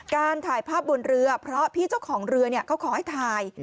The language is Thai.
การถ่ายภาพบนเรือเพราะพี่เจ้าของเรือเขาขอให้ถ่าย